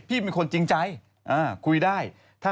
พี่เป็นคนจริงใจ